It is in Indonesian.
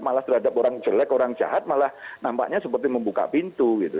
malah terhadap orang jelek orang jahat malah nampaknya seperti membuka pintu gitu